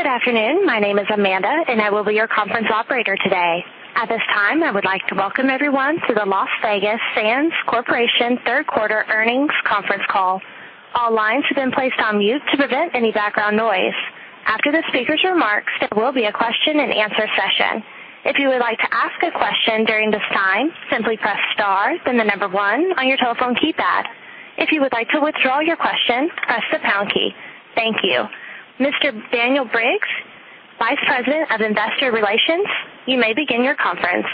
Good afternoon. My name is Amanda, and I will be your conference operator today. At this time, I would like to welcome everyone to the Las Vegas Sands Corporation third quarter earnings conference call. All lines have been placed on mute to prevent any background noise. After the speakers' remarks, there will be a question-and-answer session. If you would like to ask a question during this time, simply press star, then the number one on your telephone keypad. If you would like to withdraw your question, press the pound key. Thank you. Mr. Daniel Briggs, Vice President of Investor Relations, you may begin your conference.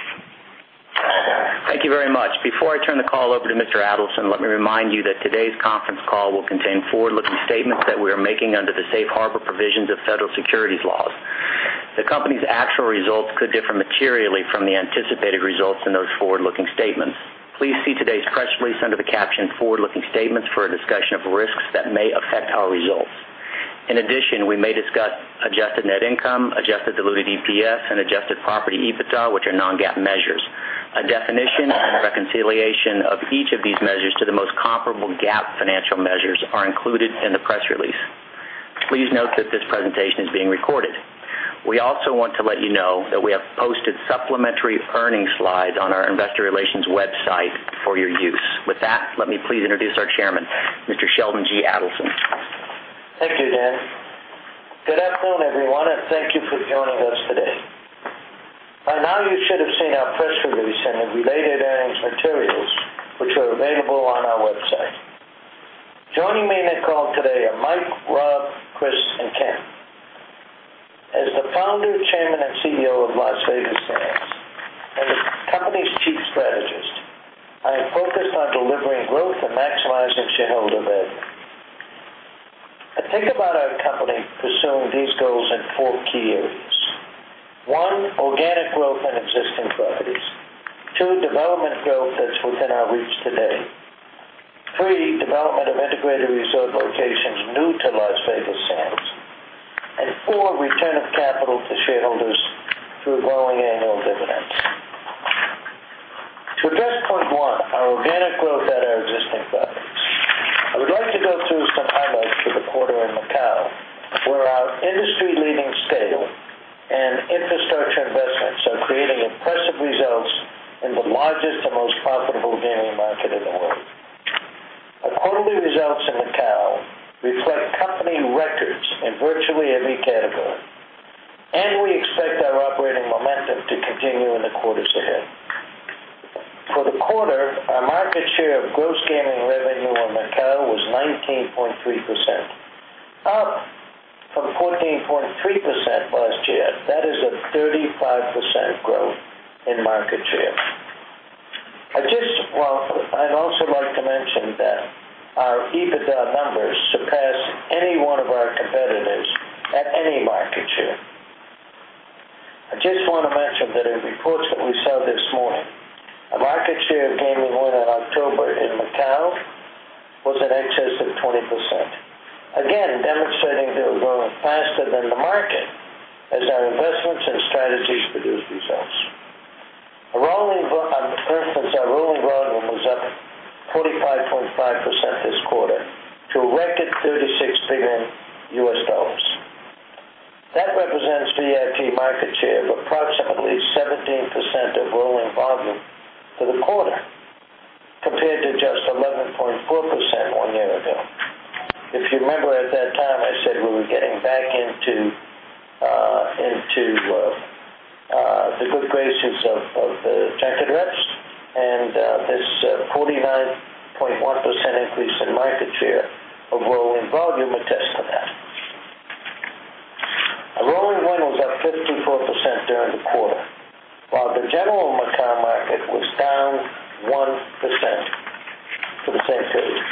Thank you very much. Before I turn the call over to Mr. Adelson, let me remind you that today's conference call will contain forward-looking statements that we are making under the Safe Harbor provisions of federal securities laws. The company's actual results could differ materially from the anticipated results in those forward-looking statements. Please see today's press release under the caption forward-looking statements for a discussion of risks that may affect our results. In addition, we may discuss adjusted net income, adjusted diluted EPS, and adjusted property EBITDA, which are non-GAAP measures. A definition and reconciliation of each of these measures to the most comparable GAAP financial measures are included in the press release. Please note that this presentation is being recorded. We also want to let you know that we have posted supplementary earnings slides on our investor relations website for your use. With that, let me please introduce our Chairman, Mr. Sheldon G. Adelson. Thank you, Dan. Good afternoon, everyone, thank you for joining us today. By now you should have seen our press release and the related earnings materials, which are available on our website. Joining me in the call today are Mike, Rob, Chris, and Ken. As the Founder, Chairman, and CEO of Las Vegas Sands, and the company's Chief Strategist, I am focused on delivering growth and maximizing shareholder value. I think about our company pursuing these goals in four key areas. One, organic growth in existing properties. Two, development growth that's within our reach today. Three, development of integrated resort locations new to Las Vegas Sands. Four, return of capital to shareholders through growing annual dividends. To address point one, our organic growth at our existing properties, I would like to go through some highlights for the quarter in Macau, where our industry-leading scale and infrastructure investments are creating impressive results in the largest and most profitable gaming market in the world. Our quarterly results in Macau reflect company records in virtually every category, and we expect our operating momentum to continue in the quarters ahead. For the quarter, our market share of gross gaming revenue in Macau was 19.3%, up from 14.3% last year. That is a 35% growth in market share. I'd also like to mention that our EBITDA numbers surpass any one of our competitors at any market share. I just want to mention that in reports that we saw this morning, our market share of gaming win in October in Macau was in excess of 20%. Again, demonstrating that we're growing faster than the market as our investments and strategies produce results. For instance, our rolling volume was up 45.5% this quarter to a record $36 billion. That represents VIP market share of approximately 17% of rolling volume for the quarter, compared to just 11.4% one year ago. If you remember at that time, I said we were getting back into the good graces of the tech reps, and this 49.1% increase in market share of rolling volume attests to that. Our rolling win was up 54% during the quarter, while the general Macau market was down 1% for the same period.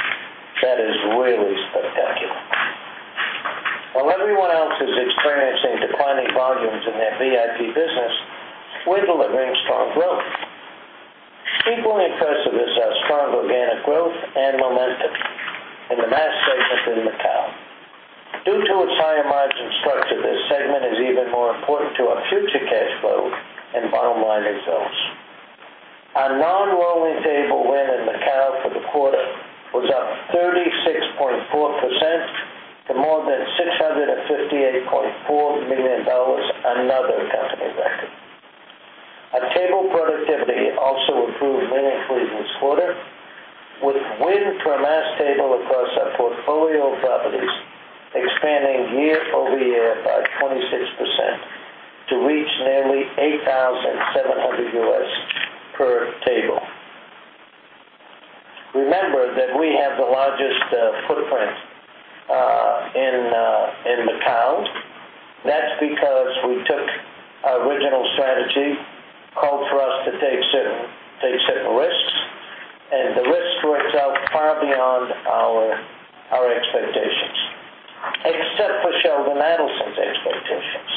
That is really spectacular. While everyone else is experiencing declining volumes in their VIP business, we're delivering strong growth. Equally impressive is our strong organic growth and momentum in the mass segment in Macau. Due to its higher-margin structure, this segment is even more important to our future cash flow and bottom-line results. Our non-rolling table win in Macau for the quarter was up 36.4% to more than $658.4 million, another company record. Our table productivity also improved meaningfully this quarter, with win per mass table across our portfolio of properties expanding year-over-year by 26% to reach nearly $8,700 per table. Remember that we have the largest footprint in Macau. That's because we took our original strategy, called for us to take certain risks, and the risks worked out far beyond our expectations. Except for Sheldon Adelson's expectations.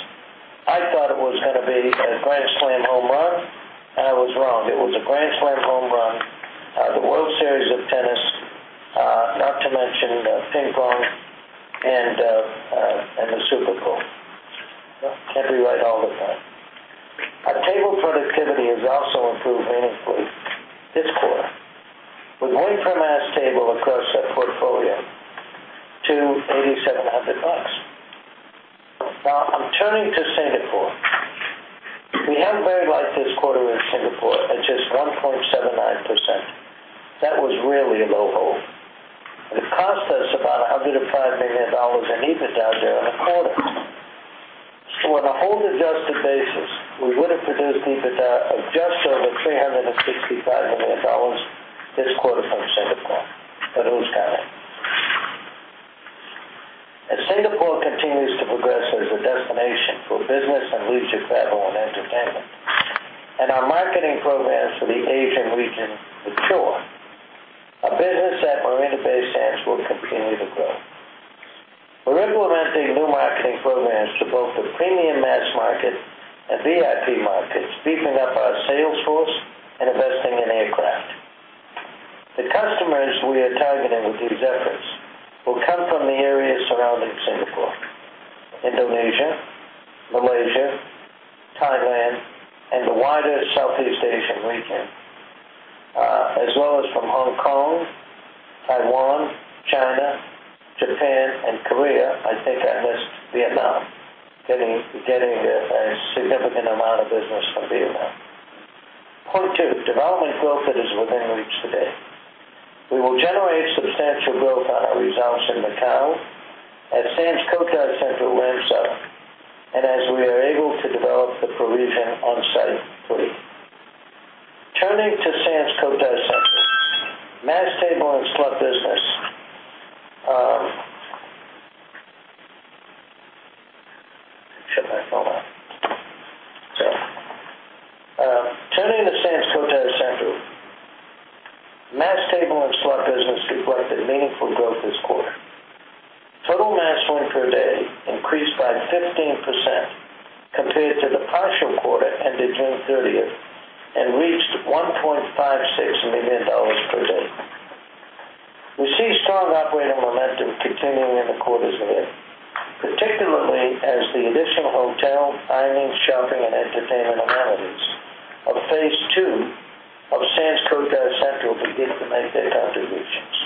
I thought it was going to be a grand slam home run, and I was wrong. It was a grand slam home run out of the World Series of tennis, not to mention ping-pong and the Super Bowl. Can't be right all the time. Our table productivity has also improved meaningfully this quarter, with win per mass- Portfolio to $8,700. Now I'm turning to Singapore. We had a very light this quarter in Singapore at just 1.79%. That was really a low hold, and it cost us about $105 million in EBITDA there in the quarter. On a whole adjusted basis, we would have produced EBITDA of just over $365 million this quarter from Singapore, for those counting. As Singapore continues to progress as a destination for business and leisure travel and entertainment, and our marketing programs for the Asian region mature, our business at Marina Bay Sands will continue to grow. We're implementing new marketing programs to both the premium mass market and VIP markets, beefing up our sales force and investing in aircraft. The customers we are targeting with these efforts will come from the areas surrounding Singapore, Indonesia, Malaysia, Thailand, and the wider Southeast Asian region, as well as from Hong Kong, Taiwan, China, Japan, and Korea. I think I missed Vietnam, getting a significant amount of business from Vietnam. Point two, development growth that is within reach today. We will generate substantial growth on our results in Macau at Sands Cotai Central and so on, and as we are able to develop The Parisian on-site fully. Turning to Sands Cotai Central, mass table and slot business. Shut my phone off. Turning to Sands Cotai Central, mass table and slot business collected meaningful growth this quarter. Total mass win per day increased by 15% compared to the partial quarter end of June 30th and reached $1.56 million per day. We see strong operating momentum continuing in the quarters ahead, particularly as the additional hotel, dining, shopping, and entertainment amenities of phase two of Sands Cotai Central begin to make their contributions.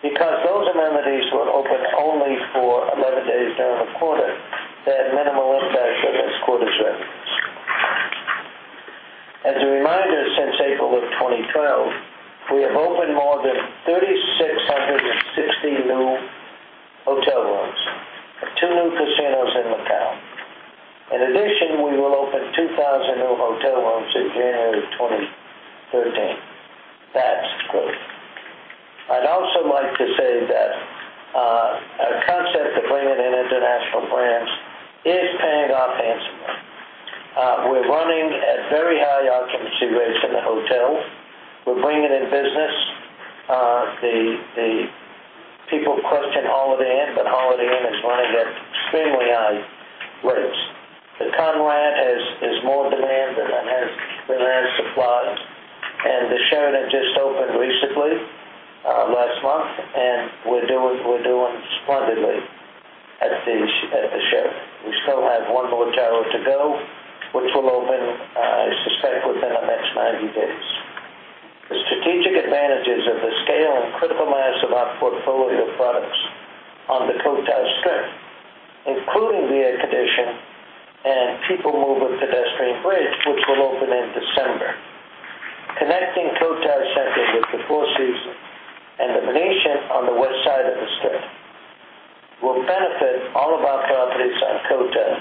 Because those amenities were open only for 11 days during the quarter, they had minimal impact on this quarter's revenues. As a reminder, since April of 2012, we have opened more than 3,660 new hotel rooms, two new casinos in Macau. In addition, we will open 2,000 new hotel rooms in January 2013. That's growth. I'd also like to say that our concept of bringing in international brands is paying off handsomely. We're running at very high occupancy rates in the hotel. We're bringing in business. The people question Holiday Inn, but Holiday Inn is running at extremely high rates. The Conrad is more demand than it has supply. The Sheraton just opened recently, last month, and we're doing splendidly at the Sheraton. We still have one more tower to go, which will open, I suspect, within the next 90 days. The strategic advantages of the scale and critical mass of our portfolio of products on the Cotai Strip, including the air condition and people mover pedestrian bridge, which will open in December, connecting Cotai Center with The Four Seasons and The Venetian on the west side of the strip, will benefit all of our properties on Cotai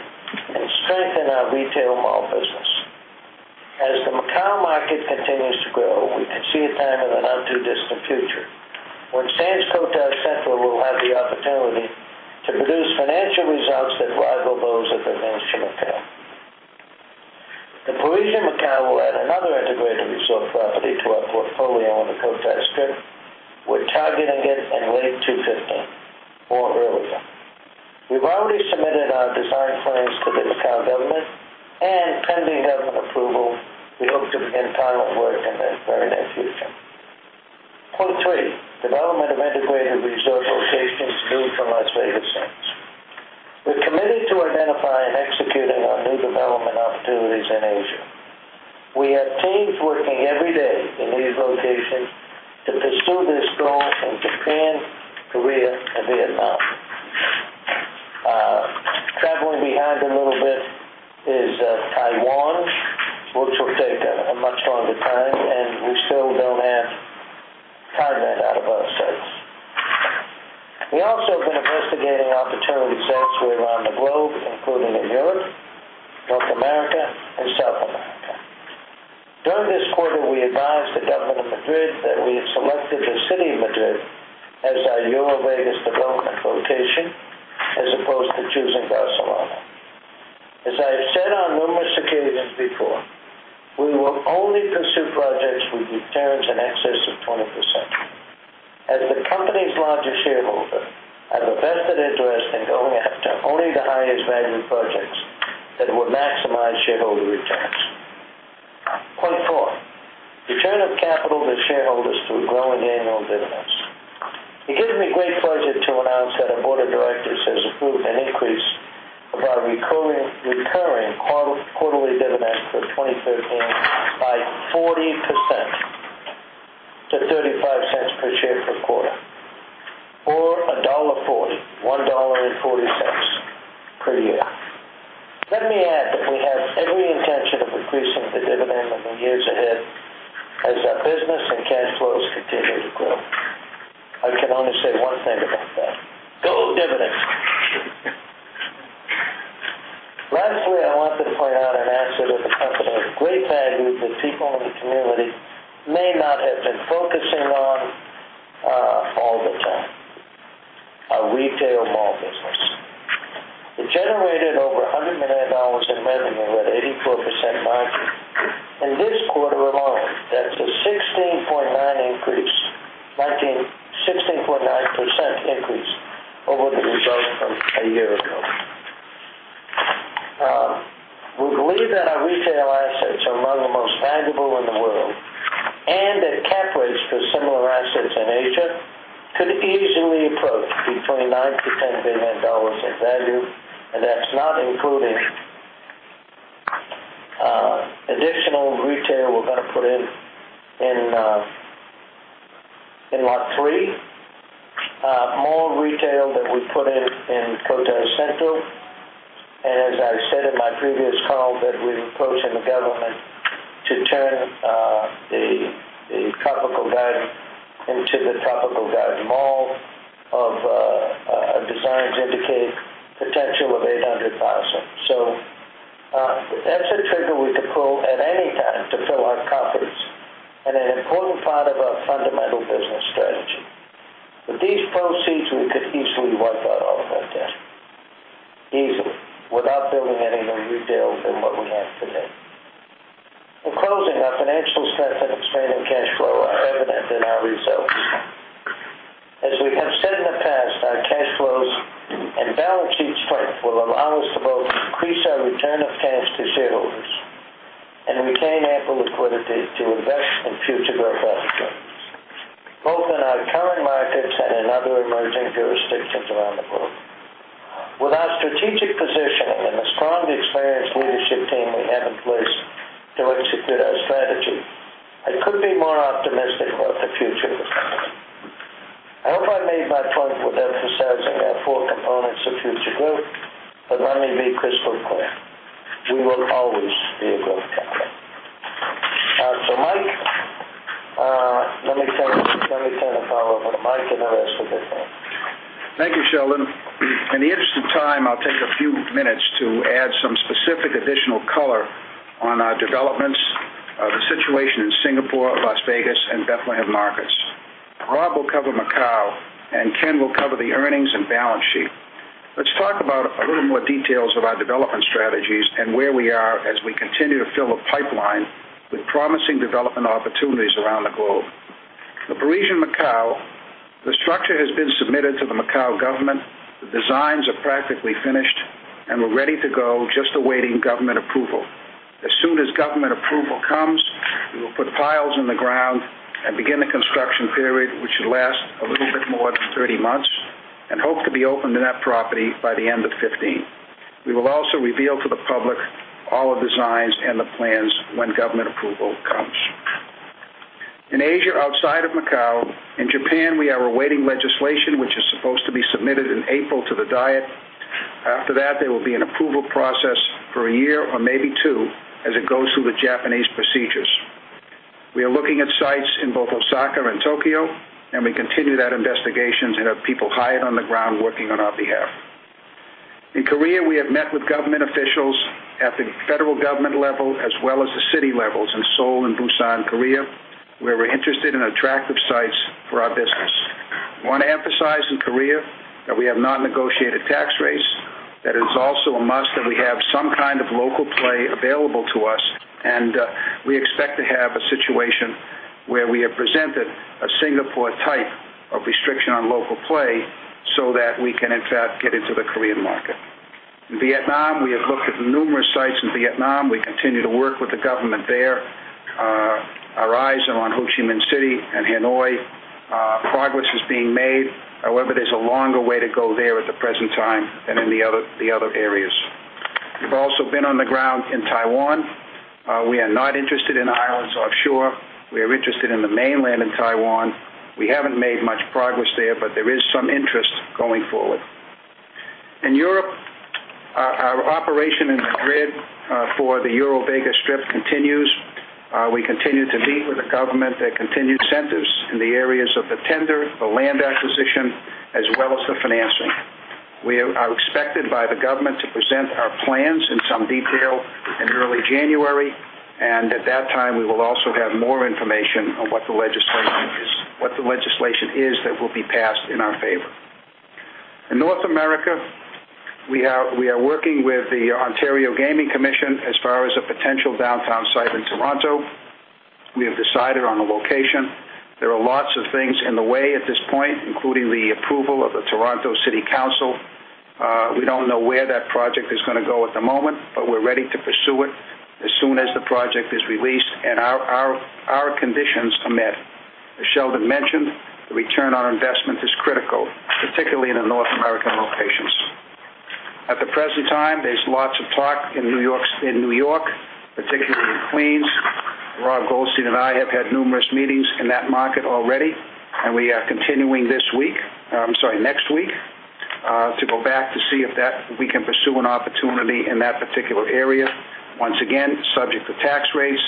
and strengthen our retail mall business. As the Macau market continues to grow, we can see a time in a not too distant future when Sands Cotai Central will have the opportunity to produce financial results that rival those of The Venetian Macao. The Parisian Macao will add another integrated resort property to our portfolio on the Cotai Strip. We're targeting it in late 2015 or earlier. We've already submitted our design plans to the Macau government, and pending government approval, we hope to begin pilot work in the very near future. Point three, development of integrated resort locations new from Las Vegas Sands. We're committed to identifying and executing on new development opportunities in Asia. We have teams working every day in these locations to pursue this goal in Japan, Korea, and Vietnam. Traveling behind a little bit is Taiwan, which will take a much longer time, and we still don't have target out of those sites. We also have been investigating opportunities elsewhere around the globe, including in Europe, North America, and South America. During this quarter, we advised the government of Madrid that we had selected the city of Madrid as our EuroVegas development location, as opposed to choosing Barcelona. As I've said on numerous occasions before, we will only pursue projects with returns in excess of 20%. As the company's largest shareholder, I have a vested interest in going after only the highest-value projects that will maximize shareholder returns. Point four, return of capital to shareholders through growing annual dividends. It gives me great pleasure to announce that 40% to $0.35 per share per quarter, or $1.40 per year. Let me add that we have every intention of increasing the dividend in the years ahead as our business and cash flows continue to grow. I can only say one thing about that. Go, dividends. Lastly, I want to point out an asset of the company with great value that people in the community may not have been focusing on all the time, our retail mall business. It generated over $100 million in revenue at 84% margin. In this quarter alone, that's a 16.9% increase over the results from a year ago. We believe that our retail assets are among the most valuable in the world, and that cap rates for similar assets in Asia could easily approach between $9 billion-$10 billion in value, and that's not including additional retail we're going to put in Lot 3, more retail that we put in Sands Cotai Central. As I said in my previous call, that we're approaching the government to turn the Tropical Garden into the Tropical Garden Mall. Our designs indicate potential of 800,000. That's a trigger we could pull at any time to fill our coffers and an important part of our fundamental business strategy. With these proceeds, we could easily work out of Macau without building any more retail than what we have today. In closing, our financial strength and expanding cash flow are evident in our results. As we have said in the past, our cash flows and balance sheet strength will allow us to both increase our return of cash to shareholders and retain ample liquidity to invest in future growth opportunities, both in our current markets and in other emerging jurisdictions around the globe. With our strategic positioning and the strong, experienced leadership team we have in place to execute our strategy, I couldn't be more optimistic about the future of the company. I hope I made my point with emphasizing our four components of future growth. Let me be crystal clear. We will always be a growth company. Mike, let me turn the call over to Mike and the rest of the team. Thank you, Sheldon. In the interest of time, I'll take a few minutes to add some specific additional color on our developments, the situation in Singapore, Las Vegas, and Bethlehem markets. Rob will cover Macau, and Ken will cover the earnings and balance sheet. Let's talk about a little more details of our development strategies and where we are as we continue to fill a pipeline with promising development opportunities around the globe. The Parisian Macao, the structure has been submitted to the Macau government. The designs are practically finished, and we're ready to go, just awaiting government approval. As soon as government approval comes, we will put piles in the ground and begin the construction period, which should last a little bit more than 30 months, and hope to be open in that property by the end of 2015. We will also reveal to the public all the designs and the plans when government approval comes. In Asia, outside of Macau, in Japan, we are awaiting legislation which is supposed to be submitted in April to the Diet. After that, there will be an approval process for a year or maybe two as it goes through the Japanese procedures. We are looking at sites in both Osaka and Tokyo, we continue that investigation and have people hired on the ground working on our behalf. In Korea, we have met with government officials at the federal government level as well as the city levels in Seoul and Busan, Korea, where we're interested in attractive sites for our business. I want to emphasize in Korea that we have not negotiated tax rates, that it is also a must that we have some kind of local play available to us. We expect to have a situation where we have presented a Singapore type of restriction on local play so that we can in fact get into the Korean market. In Vietnam, we have looked at numerous sites in Vietnam. We continue to work with the government there. Our eyes are on Ho Chi Minh City and Hanoi. Progress is being made. However, there's a longer way to go there at the present time than in the other areas. We've also been on the ground in Taiwan. We are not interested in the islands offshore. We are interested in the mainland in Taiwan. We haven't made much progress there is some interest going forward. In Europe, our operation in Madrid for the EuroVegas Strip continues. We continue to meet with the government. There are continued incentives in the areas of the tender, the land acquisition, as well as the financing. We are expected by the government to present our plans in some detail in early January, at that time, we will also have more information on what the legislation is that will be passed in our favor. In North America, we are working with the Ontario Gaming Commission as far as a potential downtown site in Toronto. We have decided on a location. There are lots of things in the way at this point, including the approval of the Toronto City Council. We don't know where that project is going to go at the moment, we're ready to pursue it as soon as the project is released and our conditions are met. As Sheldon mentioned, the return on investment is critical, particularly in the North American locations. At the present time, there's lots of talk in New York, particularly in Queens. Rob Goldstein and I have had numerous meetings in that market already, we are continuing next week to go back to see if we can pursue an opportunity in that particular area. Once again, subject to tax rates,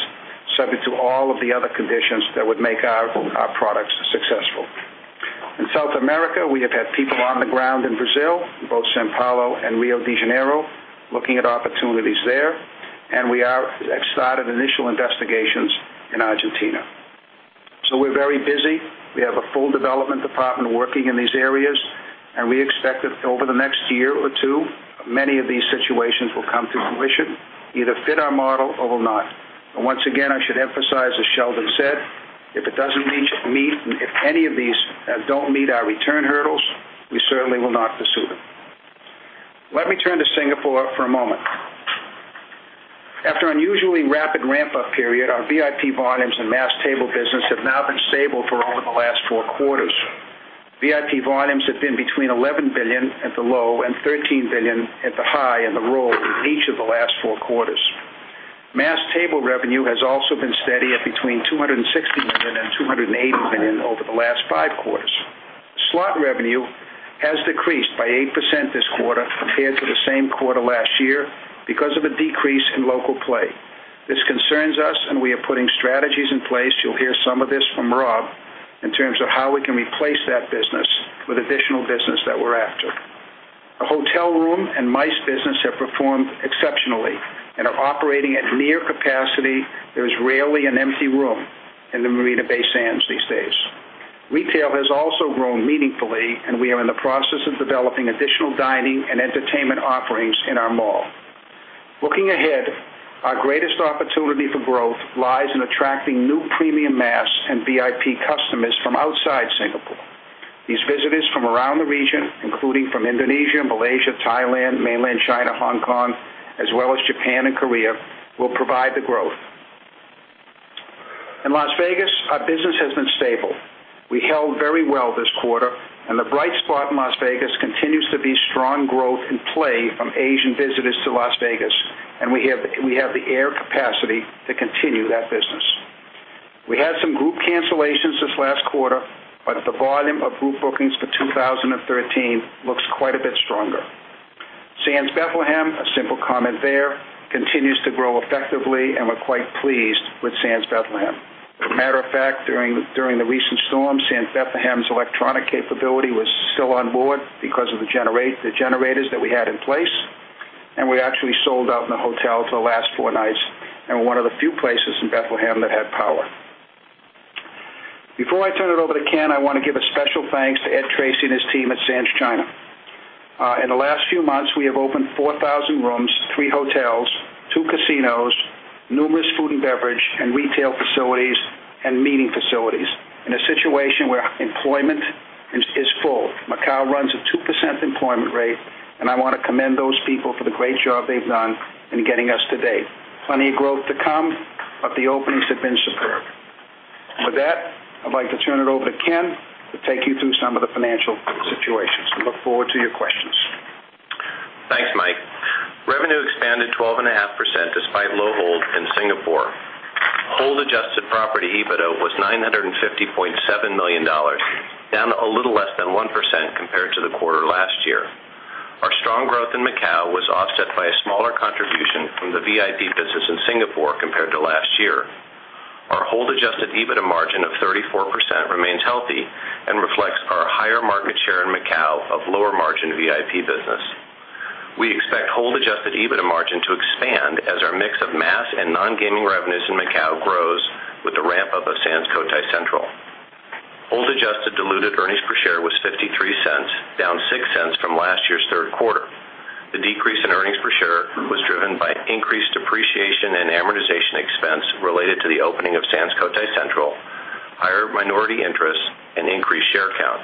subject to all of the other conditions that would make our products successful. In South America, we have had people on the ground in Brazil, both São Paulo and Rio de Janeiro, looking at opportunities there, we have started initial investigations in Argentina. We're very busy. We have a full development department working in these areas, we expect that over the next year or two, many of these situations will come to fruition, either fit our model or will not. Once again, I should emphasize, as Sheldon said, if any of these don't meet our return hurdles, we certainly will not pursue them. Let me turn to Singapore for a moment. After an unusually rapid ramp-up period, our VIP volumes and mass table business have now been stable for over the last four quarters. VIP volumes have been between $11 billion at the low and $13 billion at the high in the roll in each of the last four quarters. Mass table revenue has also been steady at between $260 million and $280 million over the last five quarters. Slot revenue has decreased by 8% this quarter compared to the same quarter last year because of a decrease in local play. This concerns us, we are putting strategies in place, you'll hear some of this from Rob, in terms of how we can replace that business with additional business that we're after. The hotel room and MICE business have performed exceptionally and are operating at near capacity. There's rarely an empty room in the Marina Bay Sands these days. Retail has also grown meaningfully, and we are in the process of developing additional dining and entertainment offerings in our mall. Looking ahead, our greatest opportunity for growth lies in attracting new premium mass and VIP customers from outside Singapore. These visitors from around the region, including from Indonesia, Malaysia, Thailand, mainland China, Hong Kong, as well as Japan and Korea, will provide the growth. In Las Vegas, our business has been stable. We held very well this quarter, the bright spot in Las Vegas continues to be strong growth in play from Asian visitors to Las Vegas, and we have the air capacity to continue that business. We had some group cancellations this last quarter, the volume of group bookings for 2013 looks quite a bit stronger. Sands Bethlehem, a simple comment there, continues to grow effectively, we're quite pleased with Sands Bethlehem. As a matter of fact, during the recent storm, Sands Bethlehem's electronic capability was still on board because of the generators that we had in place, we actually sold out in the hotel to the last four nights and were one of the few places in Bethlehem that had power. Before I turn it over to Ken, I want to give a special thanks to Ed Tracy and his team at Sands China. In the last few months, we have opened 4,000 rooms, three hotels, two casinos, numerous food and beverage and retail facilities, and meeting facilities in a situation where employment is full. Macau runs a 2% employment rate, I want to commend those people for the great job they've done in getting us to date. Plenty of growth to come, the openings have been superb. With that, I'd like to turn it over to Ken to take you through some of the financial situations. We look forward to your questions. Thanks, Mike. Revenue expanded 12.5% despite low hold in Singapore. Hold-adjusted property EBITDA was $950.7 million, down a little less than 1% compared to the quarter last year. Our strong growth in Macau was offset by a smaller contribution from the VIP business in Singapore compared to last year. Our hold-adjusted EBITDA margin of 34% remains healthy and reflects our higher market share in Macau of lower-margin VIP business. We expect hold-adjusted EBITDA margin to expand as our mix of mass and non-gaming revenues in Macau grows with the ramp-up of Sands Cotai Central. Hold-adjusted diluted earnings per share was $0.53, down $0.06 from last year's third quarter. The decrease in earnings per share was driven by increased depreciation and amortization expense related to the opening of Sands Cotai Central, higher minority interests, and increased share count.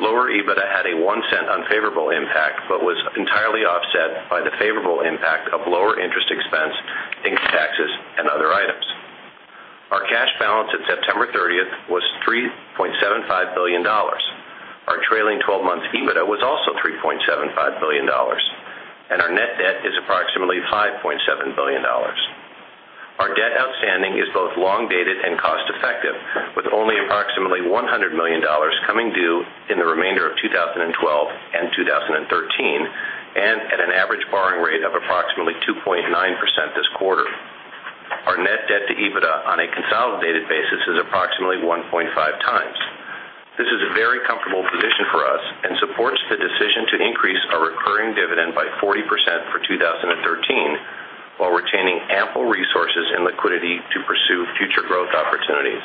Lower EBITDA had a $0.01 unfavorable impact but was entirely offset by the favorable impact of lower interest expense, income taxes, and other items. Our cash balance at September 30th was $3.75 billion. Our trailing 12-month EBITDA was also $3.75 billion, and our net debt is approximately $5.7 billion. Our debt outstanding is both long-dated and cost-effective, with only approximately $100 million coming due in the remainder of 2012 and 2013, and at an average borrowing rate of approximately 2.9% this quarter. Our net debt to EBITDA on a consolidated basis is approximately 1.5 times. This is a very comfortable position for us and supports the decision to increase our recurring dividend by 40% for 2013 while retaining ample resources and liquidity to pursue future growth opportunities.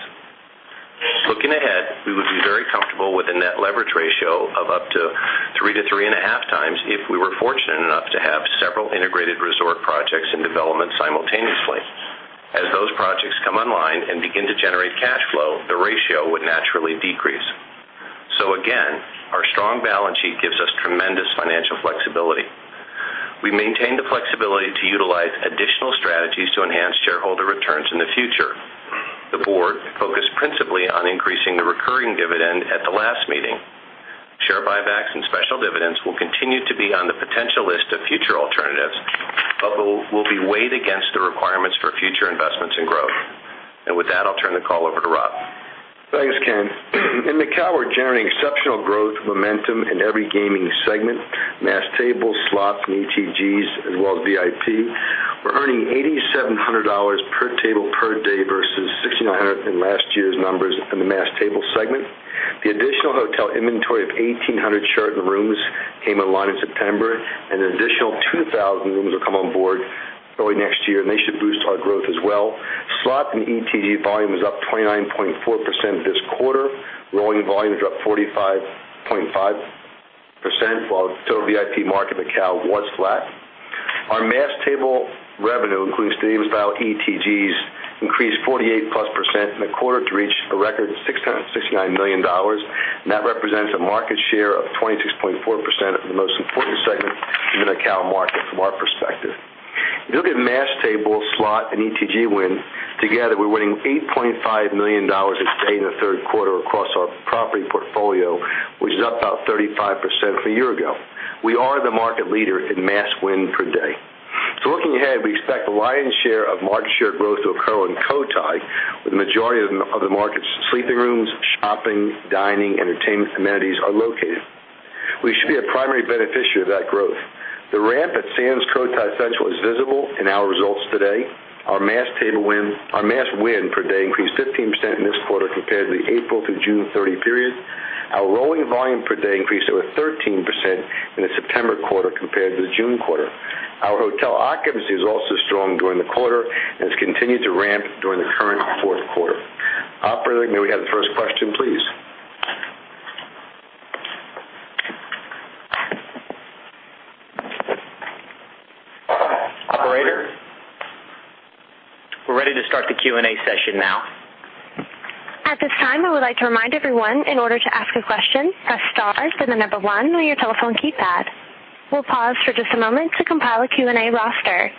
Looking ahead, we would be very comfortable with a net leverage ratio of up to 3 to 3.5 times if we were fortunate enough to have several integrated resort projects in development simultaneously. As those projects come online and begin to generate cash flow, the ratio would naturally decrease. Again, our strong balance sheet gives us tremendous financial flexibility. We maintain the flexibility to utilize additional strategies to enhance shareholder returns in the future. The board focused principally on increasing the recurring dividend at the last meeting. Share buybacks and special dividends will continue to be on the potential list of future alternatives, but will be weighed against the requirements for future investments in growth. With that, I'll turn the call over to Rob. Thanks, Ken. In Macau, we're generating exceptional growth momentum in every gaming segment, mass table, slots, and ETGs, as well as VIP. We're earning $8,700 per table per day versus $6,900 in last year's numbers in the mass table segment. The additional hotel inventory of 1,800 Sheraton rooms came online in September, and an additional 2,000 rooms will come on board early next year, and they should boost our growth as well. Slot and ETG volume is up 29.4% this quarter. Rolling volume is up 45.5%, while total VIP market Macau was flat. Our mass table revenue, including stadium-style ETGs, increased 48+% in the quarter to reach a record $669 million, and that represents a market share of 26.4% of the most important segment in the Macau market from our perspective. If you look at mass table, slot, and ETG win, together, we're winning $8.5 million a day in the third quarter across our property portfolio, which is up about 35% from a year ago. We are the market leader in mass win per day. Looking ahead, we expect the lion's share of market share growth to occur in Cotai, where the majority of the market's sleeping rooms, shopping, dining, entertainment amenities are located. We should be a primary beneficiary of that growth. The ramp at Sands Cotai Central is visible in our results today. Our mass win per day increased 15% in this quarter compared to the April through June 30 period. Our rolling volume per day increased over 13% in the September quarter compared to the June quarter. Our hotel occupancy was also strong during the quarter and has continued to ramp during the current fourth quarter. Operator, may we have the first question, please? Operator? We're ready to start the Q&A session now. At this time, I would like to remind everyone, in order to ask a question, press star, then the 1 on your telephone keypad. We'll pause for just a moment to compile a Q&A roster.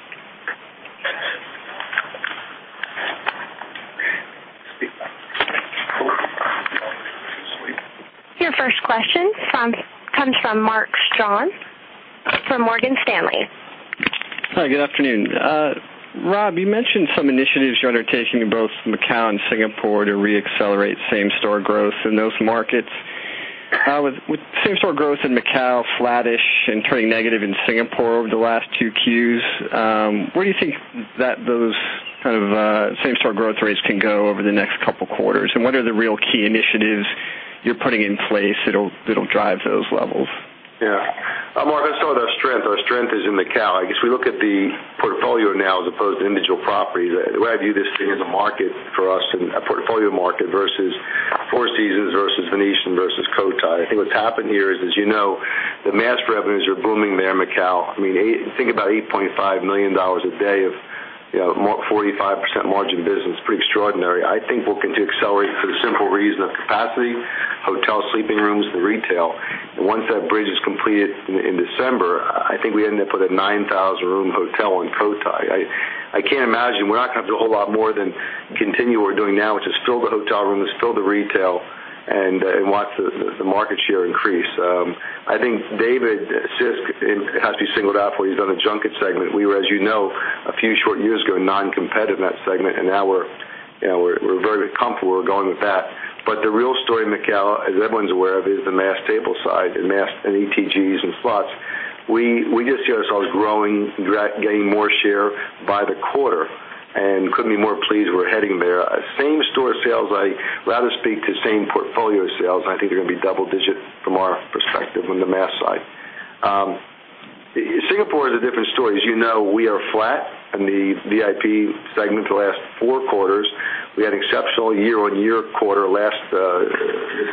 Your first question comes from Mark Strawn from Morgan Stanley. Hi, good afternoon. Rob, you mentioned some initiatives you're undertaking in both Macau and Singapore to re-accelerate same-store growth in those markets. With same-store growth in Macau flattish and turning negative in Singapore over the last two Qs, where do you think those same-store growth rates can go over the next couple of quarters? What are the real key initiatives you're putting in place that'll drive those levels? Yeah. Mark, that's still our strength. Our strength is in Macau. I guess we look at the portfolio now as opposed to individual properties. The way I view this thing is a market for us, a portfolio market versus Four Seasons versus Venetian versus Cotai. I think what's happened here is, as you know, the mass revenues are booming there in Macau. Think about $8.5 million a day of 45% margin business. Pretty extraordinary. I think we'll continue to accelerate for the simple reason of capacity, hotel sleeping rooms, and retail. Once that bridge is completed in December, I think we end up with a 9,000-room hotel on Cotai. I can't imagine. We're not going to have to do a whole lot more than continue what we're doing now, which is fill the hotel rooms, fill the retail, and watch the market share increase. I think David Sisk has to be singled out for what he's done in the junket segment. We were, as you know, a few short years ago, non-competitive in that segment, and now we're very comfortable with going with that. The real story in Macau, as everyone's aware of, is the mass table side, and mass and ETGs and slots. We just see ourselves growing, gaining more share by the quarter, and couldn't be more pleased where we're heading there. Same-store sales, I'd rather speak to same-portfolio sales. I think they're going to be double digits from our perspective on the mass side. Singapore is a different story. As you know, we are flat in the VIP segment for the last four quarters. We had an exceptional year-on-year quarter this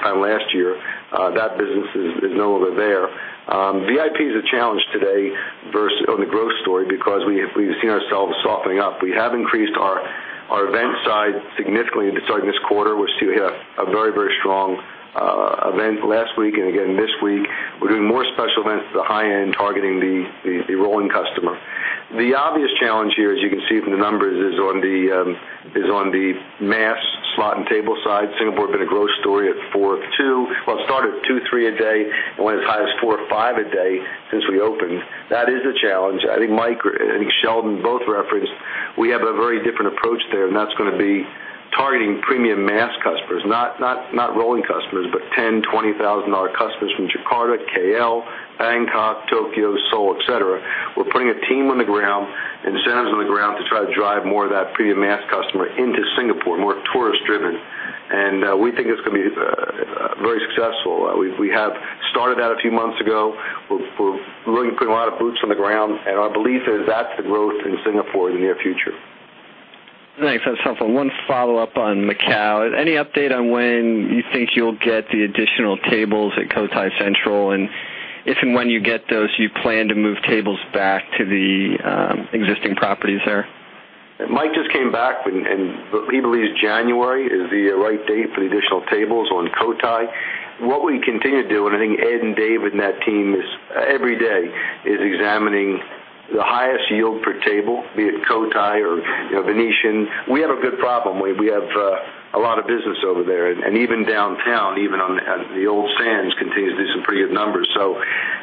time last year. That business is no longer there. VIP is a challenge today on the growth story because we've seen ourselves softening up. We have increased our event side significantly starting this quarter. We had a very strong event last week and again this week. We're doing more special events at the high end, targeting the rolling customer. The obvious challenge here, as you can see from the numbers, is on the mass slot and table side. Singapore had been a growth story at four, two. Well, it started at two, three a day and went as high as four or five a day since we opened. That is a challenge. I think Mike and Sheldon both referenced we have a very different approach there, and that's going to be targeting premium mass customers. Not rolling customers, but $10,000, $20,000 customers from Jakarta, KL, Bangkok, Tokyo, Seoul, et cetera. We're putting a team on the ground, incentives on the ground to try to drive more of that premium mass customer into Singapore, more tourist-driven. We think it's going to be very successful. We have started that a few months ago. We're looking to put a lot of boots on the ground, our belief is that's the growth in Singapore in the near future. Thanks. One follow-up on Macau. Any update on when you think you'll get the additional tables at Cotai Central? If and when you get those, do you plan to move tables back to the existing properties there? Mike just came back. We believe January is the right date for the additional tables on Cotai. What we continue to do, I think Ed and David and that team is, every day, examining the highest yield per table, be it Cotai or Venetian. We have a good problem. We have a lot of business over there, even downtown, even on the old Sands, continues to do some pretty good numbers.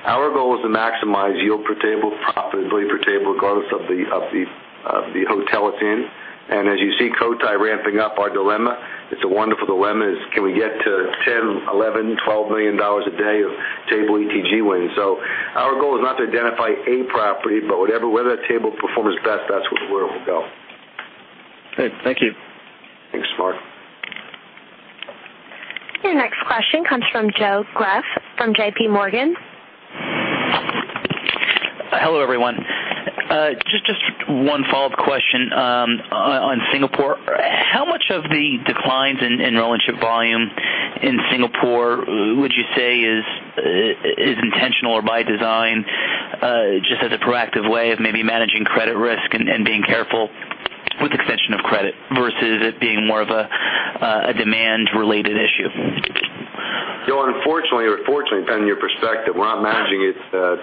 Our goal is to maximize yield per table, profitability per table, regardless of the hotel it's in. As you see Cotai ramping up, our dilemma, it's a wonderful dilemma, is, can we get to $10 million, $11 million, $12 million a day of table ETG wins? Our goal is not to identify a property, but where that table performs best, that's where we'll go. Great. Thank you. Thanks, Mark. Your next question comes from Joe Greff, from J.P. Morgan. Hello, everyone. Just one follow-up question on Singapore. How much of the declines in rollership volume in Singapore would you say is intentional or by design? Just as a proactive way of maybe managing credit risk and being careful with extension of credit versus it being more of a demand-related issue. Unfortunately or fortunately, depending on your perspective, we're not managing it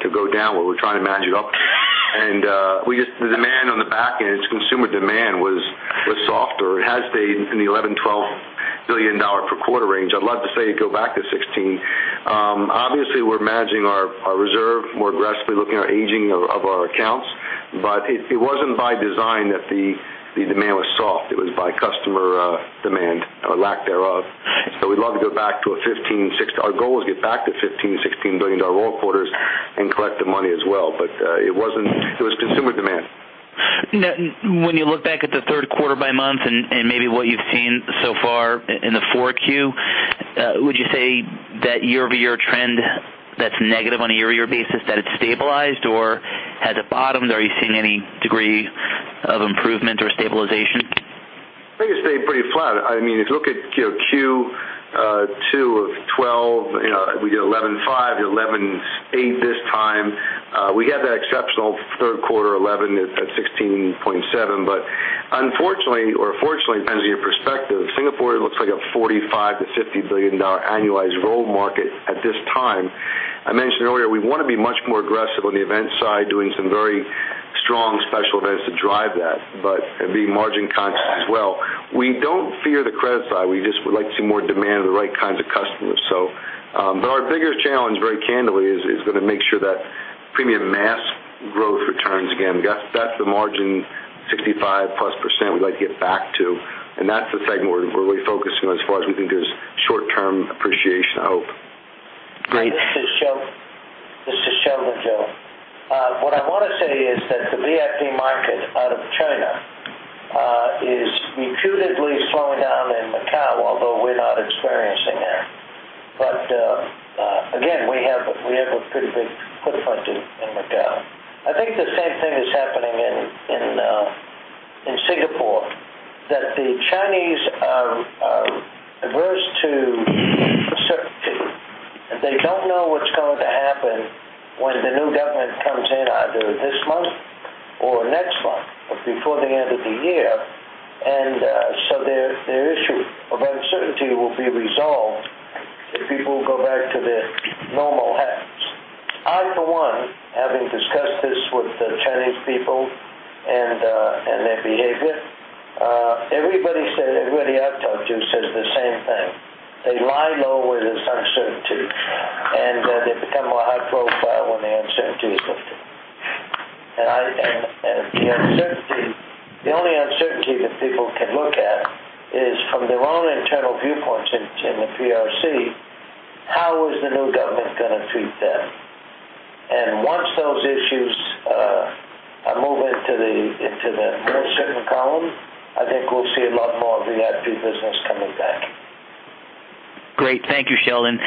to go down. What we're trying to manage it up. The demand on the back end, consumer demand was softer. It has stayed in the $11 billion, $12 billion per quarter range. I'd love to see it go back to $16 billion. Obviously, we're managing our reserve more aggressively, looking at our aging of our accounts. It wasn't by design that the demand was soft. It was by customer demand or lack thereof. Our goal is get back to $15 billion, $16 billion roll quarters and collect the money as well. It was consumer demand. When you look back at the third quarter by month and maybe what you've seen so far in the 4Q, would you say that year-over-year trend that's negative on a year-over-year basis, that it's stabilized or has it bottomed? Are you seeing any degree of improvement or stabilization? I think it's stayed pretty flat. If you look at Q2 2012, we did $11.5 billion, $11.8 billion this time. We had that exceptional third quarter 2011 at $16.7 billion. Unfortunately, or fortunately, depends on your perspective, Singapore looks like a $45 billion-$50 billion annualized roll market at this time. I mentioned earlier, we want to be much more aggressive on the event side, doing some very strong special events to drive that, but being margin conscious as well. We don't fear the credit side. We just would like to see more demand of the right kinds of customers. Our biggest challenge, very candidly, is going to make sure that premium mass growth returns again. That's the margin, 65%+ we'd like to get back to, and that's the segment we're really focusing on as far as we think there's short-term appreciation, I hope. Great. This is Sheldon, Joe. What I want to say is that the VIP market out of China is reputedly slowing down in Macau, although we're not experiencing that. Again, we have a pretty big footprint in Macau. I think the same thing is happening in Singapore, that the Chinese are averse to uncertainty, and they don't know what's going to happen when the new government comes in either this month or next month, but before the end of the year. Their issue of uncertainty will be resolved if people go back to their normal habits. I, for one, having discussed this with the Chinese people and their behavior, everybody I've talked to says the same thing. They lie low where there's uncertainty, and they become a high profile when the uncertainty is lifted. The only uncertainty that people can look at is from their own internal viewpoints in the PRC, how is the new government going to treat them? Once those issues move into the more certain column, I think we'll see a lot more VIP business coming back. Great. Thank you, Sheldon.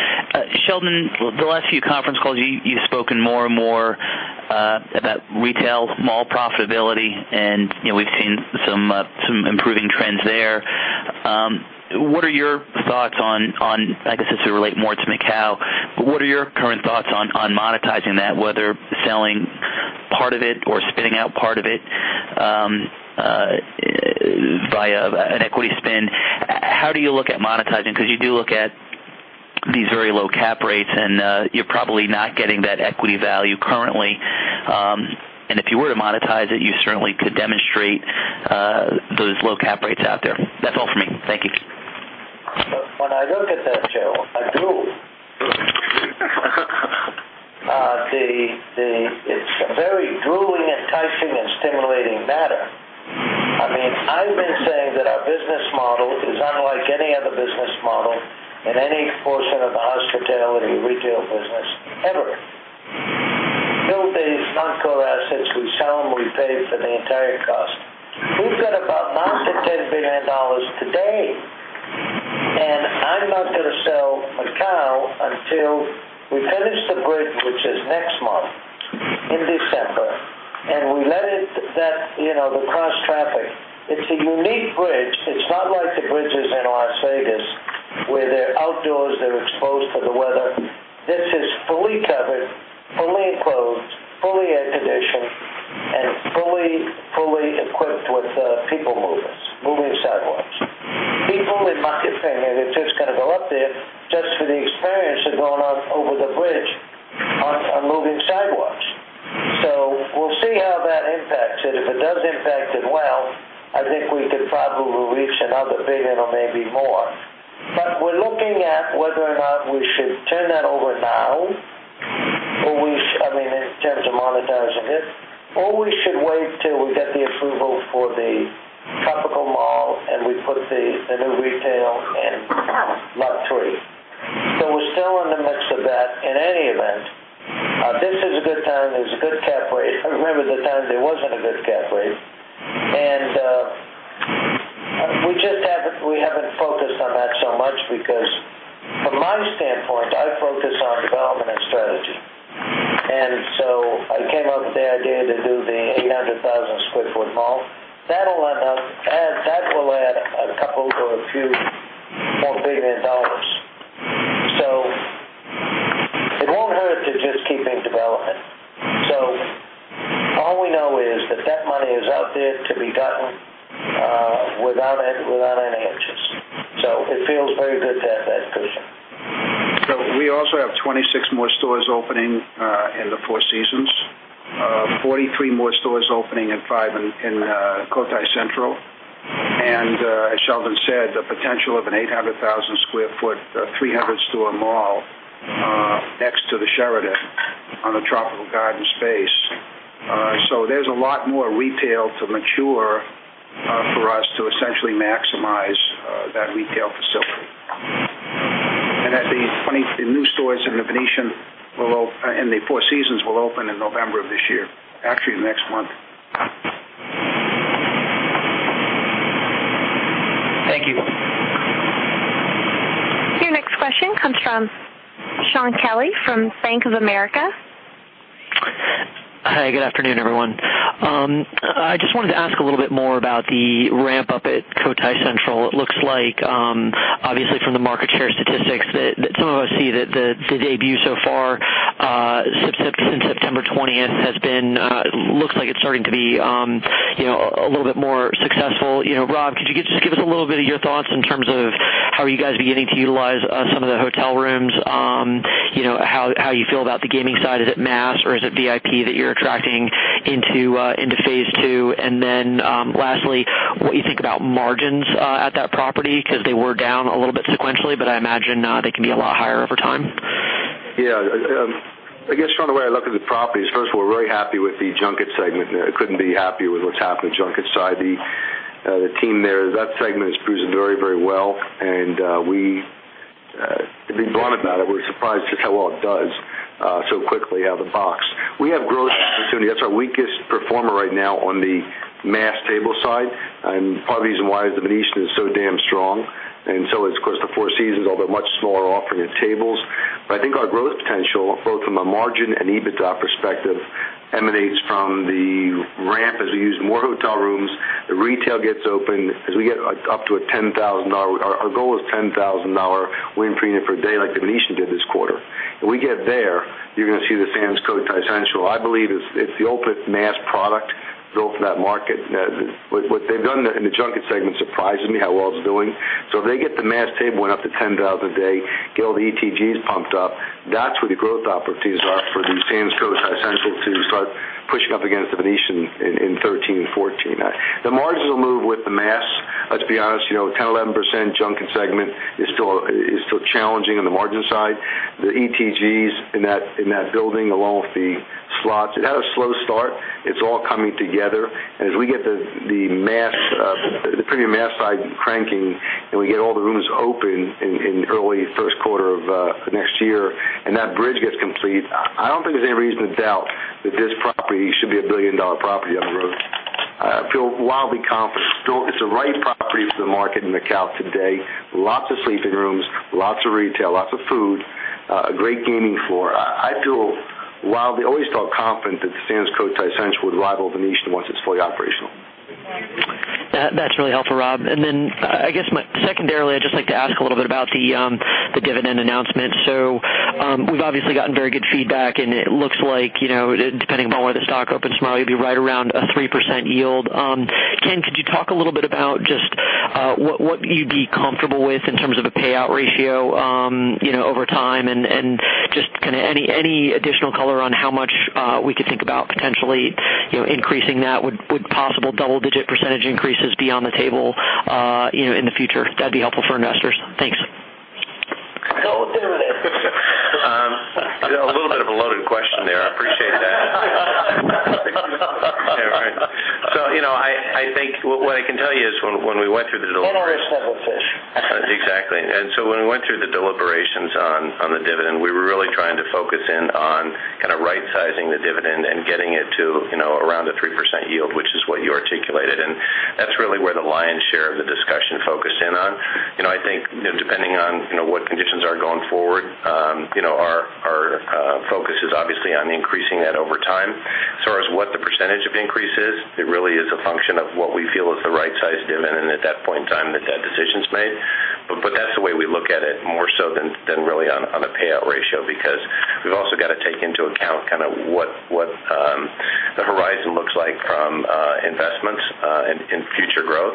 Sheldon, the last few conference calls, you've spoken more and more about retail mall profitability. We've seen some improving trends there. I guess this would relate more to Macau, but what are your current thoughts on monetizing that, whether selling part of it or spinning out part of it via an equity spin? How do you look at monetizing? Because you do look at these very low cap rates, and you're probably not getting that equity value currently. If you were to monetize it, you certainly could demonstrate those low cap rates out there. That's all for me. Thank you. When I look at that, Joe, I drool. It's a very drooling, enticing, and stimulating matter. I've been saying that our business model is unlike any other business model in any portion of the hospitality retail business ever. Build these non-core assets, we sell them, we pay for the entire cost. We've got about $9 billion-$10 billion today. I'm not going to sell Macau until we finish the bridge, which is next month in December. We let the cross-traffic. It's a unique bridge. It's not like the bridges in Las Vegas where they're outdoors, they're exposed to the weather. This is fully covered fully equipped with people movers, moving sidewalks. People in Market Street, they're just going to go up there just for the experience of going up over the bridge on moving sidewalks. We'll see how that impacts it. If it does impact it well, I think we could probably lease another $1 billion or maybe more. We're looking at whether or not we should turn that over now, in terms of monetizing it, or we should wait till we get the approval for the tropical mall, and we put the new retail in lot 3. We're still in the midst of that, in any event. This is a good time. There's a good cap rate. Remember the time there wasn't a good cap rate. We haven't focused on that so much because from my standpoint, I focus on development and strategy. I came up with the idea to do the 800,000 sq ft mall. That'll add a couple or a few more billion dollars. It won't hurt to just keep in development. All we know is that that money is out there to be gotten without any interest. It feels very good to have that cushion. We also have 26 more stores opening in The Four Seasons, 43 more stores opening in Sands Cotai Central. As Sheldon said, the potential of an 800,000 sq ft, 300-store mall next to the Sheraton on the tropical garden space. There's a lot more retail to mature for us to essentially maximize that retail facility. The new stores in The Venetian and The Four Seasons will open in November of this year, actually next month. Thank you. Your next question comes from Shaun Kelley from Bank of America. Hi, good afternoon, everyone. I just wanted to ask a little bit more about the ramp-up at Sands Cotai Central. It looks like, obviously from the market share statistics, that some of us see that the debut so far, since September 20th, looks like it's starting to be a little bit more successful. Rob, could you just give us a little bit of your thoughts in terms of how you guys are beginning to utilize some of the hotel rooms, how you feel about the gaming side? Is it mass or is it VIP that you're attracting into phase two? Lastly, what you think about margins at that property because they were down a little bit sequentially, but I imagine they can be a lot higher over time. Yeah. I guess from the way I look at the properties, first, we're really happy with the junket segment there. Couldn't be happier with what's happened with the junket side. The team there, that segment has proven very well, and to be blunt about it, we're surprised just how well it does so quickly out of the box. We have growth opportunity. That's our weakest performer right now on the mass table side. Part of the reason why is The Venetian is so damn strong, and so is, of course, the Four Seasons, although a much smaller offering at tables. I think our growth potential, both from a margin and EBITDA perspective, emanates from the ramp as we use more hotel rooms, the retail gets open as we get up to a $10,000. Our goal is $10,000 win per day like The Venetian did this quarter. If we get there, you're going to see the Sands Cotai Central. I believe it's the ultimate mass product built for that market. What they've done in the junket segment surprises me, how well it's doing. If they get the mass table went up to 10,000 a day, get all the ETGs pumped up, that's where the growth opportunities are for the Sands Cotai Central to start pushing up against The Venetian in 2013 and 2014. The margins will move with the mass. Let's be honest, 10, 11% junket segment is still challenging on the margin side. The ETGs in that building, along with the slots, it had a slow start. It's all coming together. As we get the premium mass side cranking, and we get all the rooms open in early first quarter of next year, and that bridge gets complete, I don't think there's any reason to doubt that this property should be a billion-dollar property on the road. I feel wildly confident. It's the right property for the market in Macau today. Lots of sleeping rooms, lots of retail, lots of food, a great gaming floor. I feel wildly, always felt confident that the Sands Cotai Central would rival The Venetian once it's fully operational. That's really helpful, Rob. Secondarily, I'd just like to ask a little bit about the dividend announcement. We've obviously gotten very good feedback, and it looks like, depending upon where the stock opens tomorrow, you'll be right around a 3% yield. Ken, could you talk a little bit about just what you'd be comfortable with in terms of a payout ratio over time and just any additional color on how much we could think about potentially increasing that? Would possible double-digit percentage increases be on the table in the future? That'd be helpful for investors. Thanks. We'll see what it is. A little bit of a loaded question there. I appreciate that. I think what I can tell you is. In or is that with fish? Exactly. When we went through the deliberations on the dividend, we were really trying to focus in on right-sizing the dividend and getting it to around a 3% yield, which is what you articulated, and that's really where the lion's share of the discussion focused in on. I think depending on what conditions are going forward, our focus is obviously on increasing that over time. As far as what the percentage of increase is, it really Got to take into account what the horizon looks like from investments in future growth.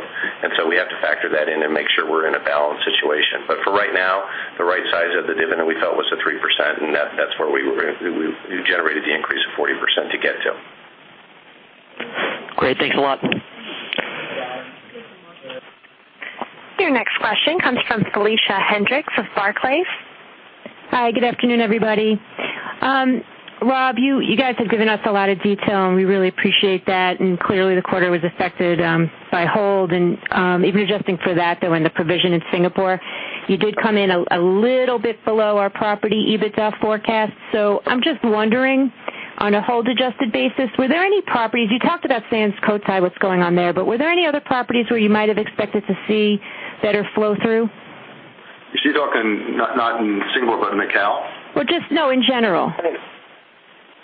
We have to factor that in and make sure we're in a balanced situation. For right now, the right size of the dividend we felt was the 3%, and that's where we generated the increase of 40% to get to. Great. Thanks a lot. You're welcome. Your next question comes from Felicia Hendrix of Barclays. Hi, good afternoon, everybody. Rob, you guys have given us a lot of detail, and we really appreciate that. Clearly the quarter was affected by hold. Even adjusting for that, though, and the provision in Singapore, you did come in a little bit below our property EBITDA forecast. I'm just wondering, on a hold-adjusted basis, were there any properties? You talked about Sands Cotai, what's going on there, but were there any other properties where you might have expected to see better flow-through? Is she talking not in Singapore, but Macao? Well, just, no, in general.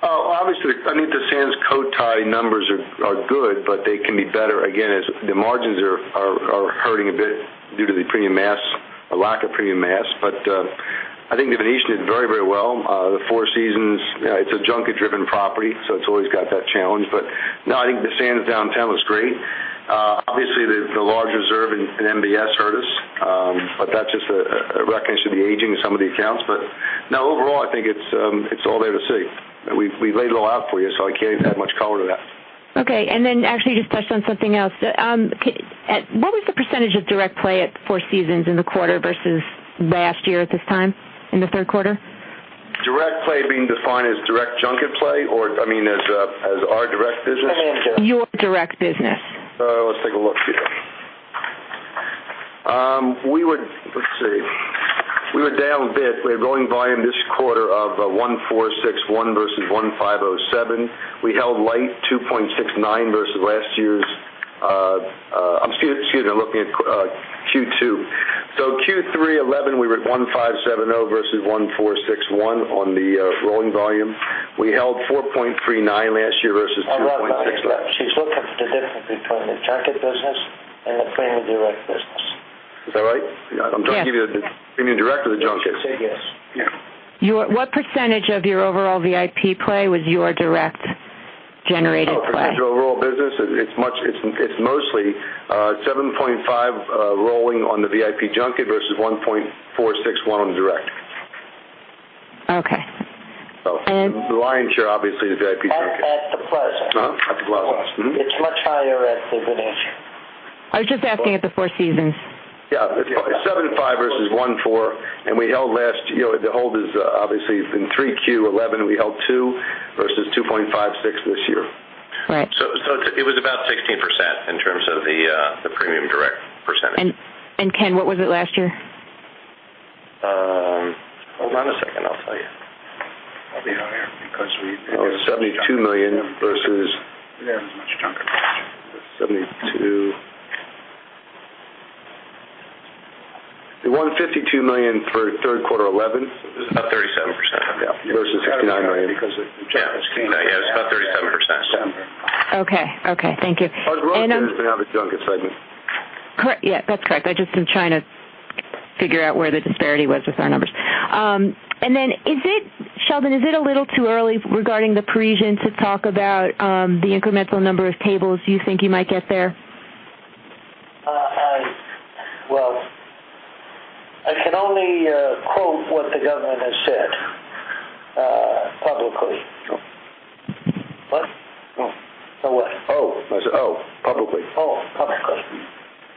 Oh, obviously. I mean, the Sands Cotai numbers are good, but they can be better. Again, as the margins are hurting a bit due to the premium mass, a lack of premium mass. I think The Venetian did very well. The Four Seasons, it's a junket-driven property, so it's always got that challenge. No, I think the Sands downtown was great. Obviously, the large reserve in MBS hurt us. That's just a recognition of the aging of some of the accounts. No, overall, I think it's all there to see. We laid it all out for you, so I can't add much color to that. Okay. Actually just touched on something else. What was the % of direct play at the Four Seasons in the quarter versus last year at this time, in the third quarter? Direct play being defined as direct junket play, or as our direct business? Your direct business. Let's take a look, see. Let's see. We were down a bit. We had rolling volume this quarter of 1,461 versus 1,507. We held light 2.69 versus last year's-- Excuse me, I'm looking at Q2. Q3 2011, we were at 1,570 versus 1,461 on the rolling volume. We held 4.39 last year versus 2.69. Rob, she's looking for the difference between the junket business and the premium direct business. Is that right? Yeah. I'm trying to give you the premium direct or the junket? Yes. What percentage of your overall VIP play was your direct generated play? Our potential overall business, it's mostly 7.5 rolling on the VIP junket versus 1.461 on the direct. Okay. The lion's share, obviously, the VIP junket. At The Plaza. At The Plaza. It's much higher at The Venetian. I was just asking at the Four Seasons. 7.5 versus 1.4, the hold is obviously in 3Q 2011, we held two versus 2.56 this year. Right. It was about 16% in terms of the premium mass percentage. Ken, what was it last year? Hold on a second, I'll tell you. It'll be higher because we It was $72 million versus We didn't have as much junket last year. $72 The $152 million for third quarter 2011. Is about 37%. Yeah. Versus $69 million. Yeah. It's about 37%, so. Okay. Thank you. Our growth is going to have a junket segment. Correct. Yeah, that's correct. I just am trying to figure out where the disparity was with our numbers. Sheldon, is it a little too early regarding The Parisian to talk about the incremental number of tables you think you might get there? Well, I can only quote what the government has said publicly. What? No. No what? Oh, publicly. Oh, publicly.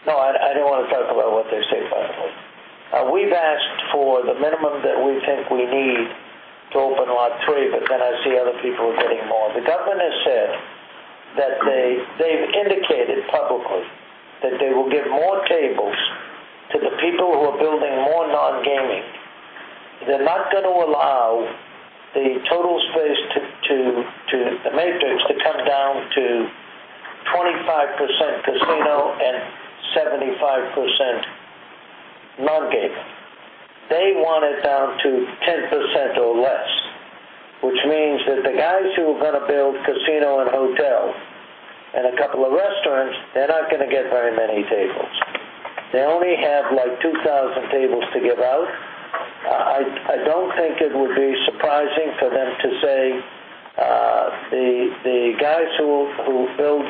No, I don't want to talk about what they say publicly. We've asked for the minimum that we think we need to open Lot 3, I see other people are getting more. The government has said that they've indicated publicly that they will give more tables to the people who are building more non-gaming. They're not going to allow the total space to the matrix to come down to 25% casino and 75% non-gaming. They want it down to 10% or less, which means that the guys who are going to build casino and hotel and a couple of restaurants, they're not going to get very many tables. They only have like 2,000 tables to give out. I don't think it would be surprising for them to say, the guys who build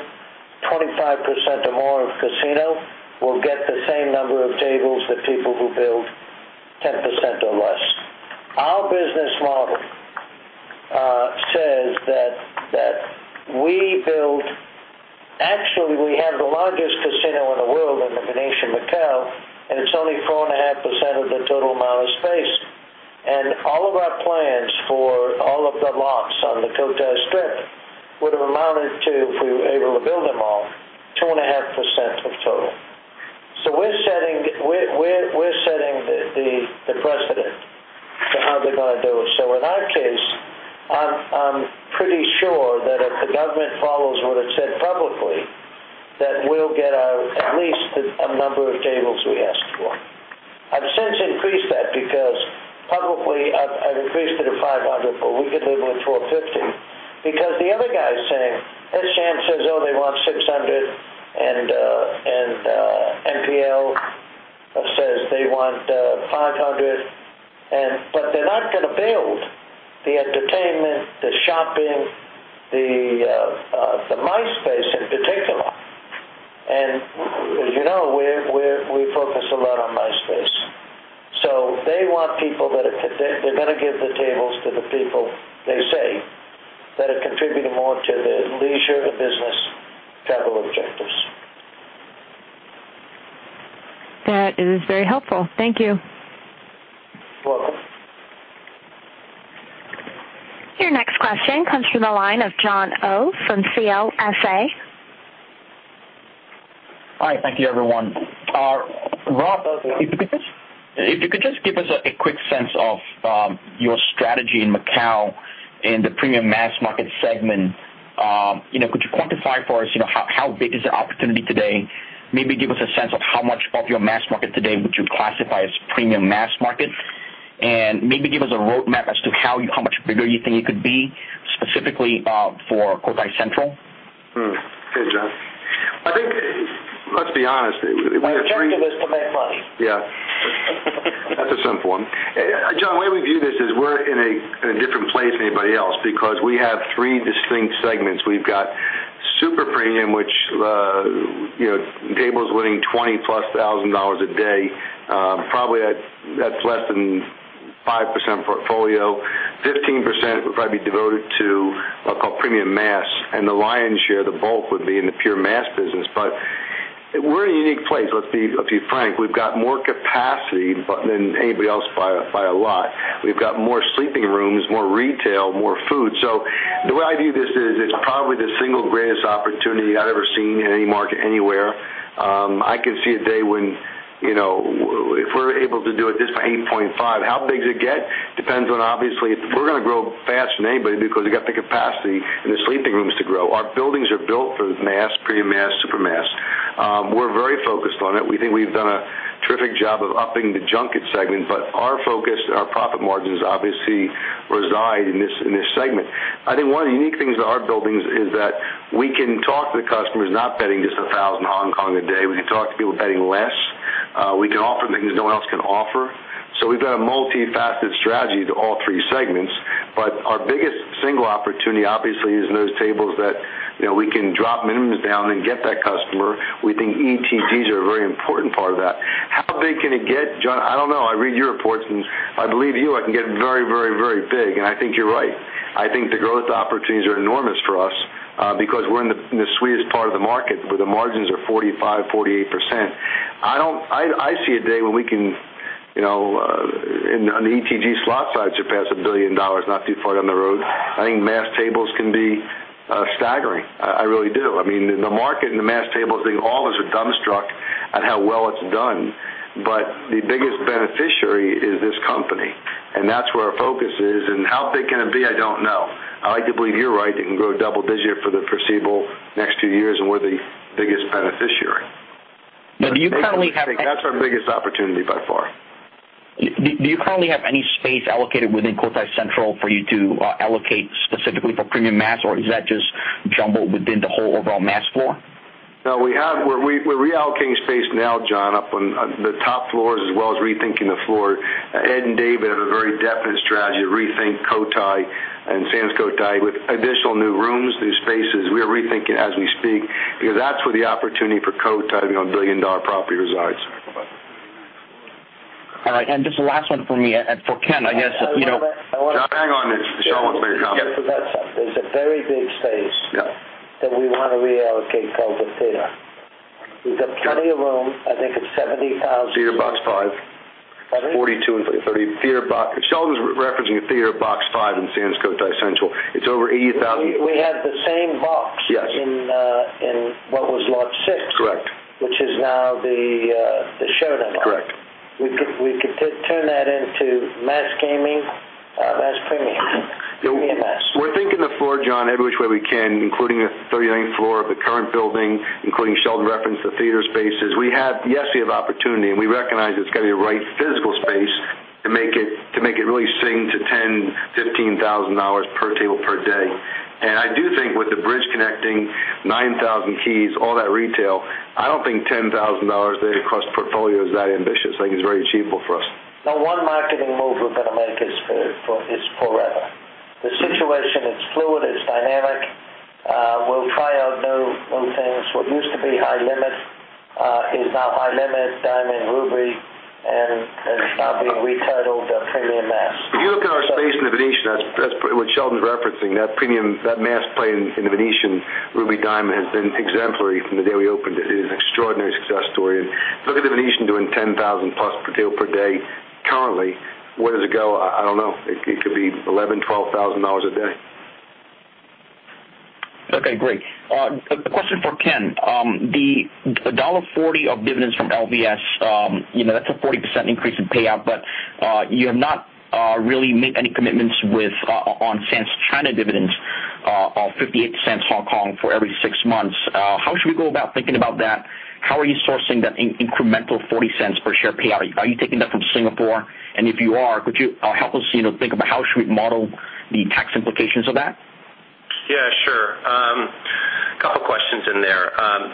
25% or more of casino will get the same number of tables that people who build 10% or less. Our business model says that we build-- Actually, we have the largest casino in the world in The Venetian Macao, and it's only 4.5% of the total amount of space. All of our plans for all of the lots on the Cotai Strip would've amounted to, if we were able to build them all, 2.5% of total. We're setting the precedent to how they're going to do it. In our case, I'm pretty sure that if the government follows what it said publicly, that we'll get at least a number of tables we asked for. I've since increased that because publicly I've increased it to 500, but we could live with 450 because the other guy is saying, "Hey, Sham says nobody want's till it's good, and npl says They want 500. They're not going to build the entertainment, the shopping, the MICE space in particular. As you know, we focus a lot on MICE space. They want people that are going to give the tables to the people, they say, that are contributing more to the leisure or business travel objectives. That is very helpful. Thank you. You're welcome. Your next question comes from the line of Jon Oh from CLSA. Hi. Thank you, everyone. Rob, if you could just give us a quick sense of your strategy in Macau in the premium mass market segment. Could you quantify for us, how big is the opportunity today? Maybe give us a sense of how much of your mass market today would you classify as premium mass market, maybe give us a roadmap as to how much bigger you think it could be specifically for Cotai Central. Okay, Jon. I think, let's be honest. Our objective is to make money. Yeah. To some form, Jon, the way we view this is we're in a different place than anybody else because we have three distinct segments. We've got super premium, which tables winning $20,000 plus a day. Probably that's less than 5% portfolio. 15% would probably be devoted to what I'll call premium mass, the lion's share, the bulk would be in the pure mass business. We're in a unique place, let's be frank. We've got more capacity than anybody else by a lot. We've got more sleeping rooms, more retail, more food. The way I view this is, it's probably the single greatest opportunity I've ever seen in any market anywhere. I could see a day when, if we're able to do it this by 8.5, how big does it get? Depends on, obviously, if we're going to grow faster than anybody because we've got the capacity and the sleeping rooms to grow. Our buildings are built for mass, premium mass, super mass. We're very focused on it. We think we've done a terrific job of upping the junket segment, but our focus and our profit margins obviously reside in this segment. I think one of the unique things about our buildings is that we can talk to the customers not betting just 1,000 Hong Kong a day. We can talk to people betting less. We can offer things no one else can offer. We've got a multifaceted strategy to all three segments. Our biggest single opportunity, obviously, is in those tables that we can drop minimums down and get that customer. We think ETGs are a very important part of that. How big can it get, Jon? I don't know. I read your reports, I believe you. It can get very, very, very big, I think you're right. I think the growth opportunities are enormous for us because we're in the sweetest part of the market, where the margins are 45%, 48%. I see a day when we can, on the ETG slot side, surpass $1 billion not too far down the road. I think mass tables can be staggering. I really do. The market and the mass tables, I think all of us are dumbstruck at how well it's done. The biggest beneficiary is this company, that's where our focus is. How big can it be? I don't know. I like to believe you're right. It can grow double digit for the foreseeable next two years, and we're the biggest beneficiary. Now, do you currently have That's our biggest opportunity by far. Do you currently have any space allocated within Sands Cotai Central for you to allocate specifically for premium mass, or is that just jumbled within the whole overall mass floor? We're reallocating space now, Jon, up on the top floors, as well as rethinking the floor. Ed and David have a very definite strategy to rethink Cotai and Sands Cotai with additional new rooms, new spaces. We are rethinking as we speak because that's where the opportunity for Cotai to be a billion-dollar property resides. All right. Just the last one for me. For Ken. I want to- Jon, hang on. Sheldon wants to make a comment. There's a very big space. Yeah That we want to reallocate called the Theater. We've got plenty of room. I think it's 70,000. Theater box five. Pardon? 42 and 30. Sheldon's referencing a theater box 5 in Sands Cotai Central. It's over 80,000. We had the same box. Yes in what was Lot 6. Correct. Which is now The Showroom. Correct. We could turn that into mass gaming, mass premium, PMS. We're thinking the floor, Jon, every which way we can, including the 39th floor of the current building, including Sheldon referenced the theater spaces. Yes, we have opportunity, and we recognize it's got to be the right physical space to make it really sing to $10,000, $15,000 per table per day. I do think with the bridge connecting 9,000 keys, all that retail, I don't think $10,000 a day across the portfolio is that ambitious. I think it's very achievable for us. Now, one marketing move we're going to make is forever. The situation is fluid, it's dynamic. We'll try out new things. What used to be high limit is now high limit, Diamond, Ruby, and it's now being retitled the premium mass. If you look at our space in The Venetian, that's what Sheldon's referencing. That mass play in The Venetian Ruby, Diamond has been exemplary from the day we opened it. It is an extraordinary success story. Look at The Venetian doing $10,000 plus per table per day currently. Where does it go? I don't know. It could be $11,000, $12,000 a day. Okay, great. A question for Ken. The $1.40 of dividends from LVS, that's a 40% increase in payout, you have not really made any commitments on Sands China dividends of 0.58 for every six months. How should we go about thinking about that? How are you sourcing that incremental $0.40 per share payout? Are you taking that from Singapore? If you are, could you help us think about how should we model the tax implications of that? Yeah, sure.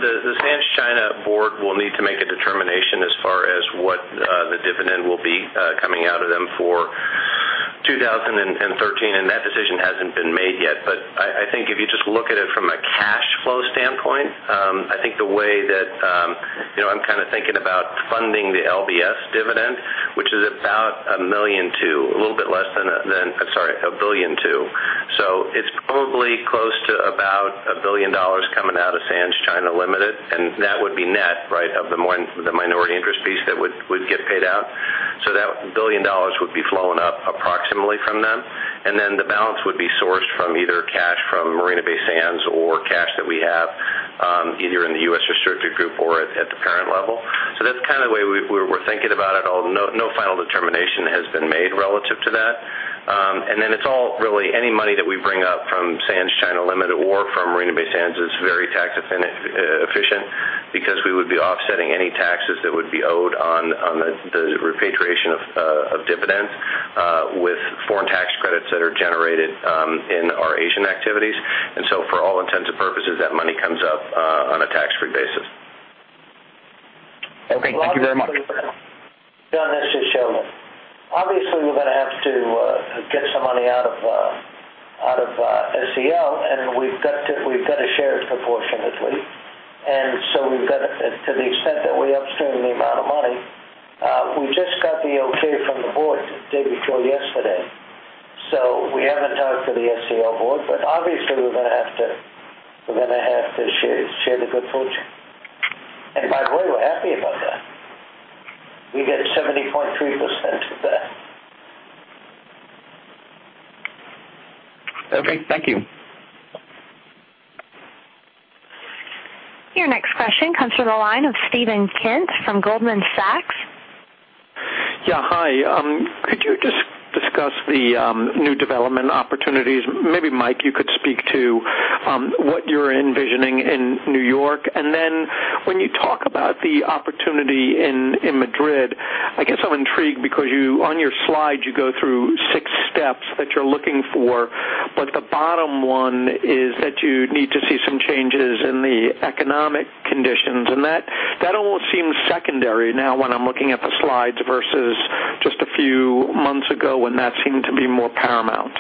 The Sands China board will need to make a determination as far as what the dividend will be coming out of them for 2013, that decision hasn't been made yet. I think if you just look at it from a cash flow standpoint, I think the way that I'm thinking about funding the LVS dividend, which is about $1.2 billion. It's probably close to about $1 billion coming out of Sands China Limited, that would be net of the minority interest piece that would get paid out. That $1 billion would be flowing up approximately from them, the balance would be sourced from either cash from Marina Bay Sands or cash that we have, either in the U.S. restricted group or at the parent level. That's kind of the way we're thinking about it, although no final determination has been made relative to that. It's all really any money that we bring up from Sands China Limited or from Marina Bay Sands is very tax efficient because we would be offsetting any taxes that would be owed on the repatriation of dividends with foreign tax credits that are generated in our Asian activities. For all intents and purposes, that money comes up on a tax-free basis. Okay. Thank you very much. Jon, this is Sheldon. Obviously, we're going to have to get some money out of SCL, and we've got to share it proportionately. To the extent that we upstream the amount of money, we just got the okay from the board day before yesterday. We haven't talked to the SCL board, obviously we're going to have to share the good fortune. By the way, we're happy about that. We get 70.3% of that. Okay, thank you. Your next question comes from the line of Steven Kent from Goldman Sachs. Yeah, hi. Could you just discuss the new development opportunities? Maybe, Mike, you could speak to what you're envisioning in New York. When you talk about the opportunity in Madrid, I guess I'm intrigued because on your slide, you go through 6 steps that you're looking for, but the bottom one is that you need to see some changes in the economic conditions. That almost seems secondary now when I'm looking at the slides versus just a few months ago when that seemed to be more paramount.